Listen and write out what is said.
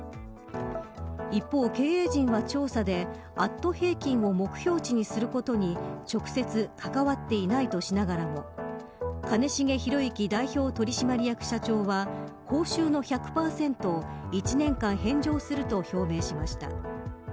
一方、経営陣は調査でアット平均を目標値にすることに直接関わっていないとしながらも兼重宏行代表取締役社長は報酬の１００％を１年間返上すると表明しました。